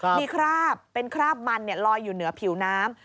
แบบนี้คล้าปเป็นคล้าปมันลอยอยู่เหนือผิวน้ำ